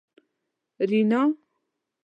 رینا